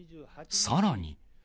さらに。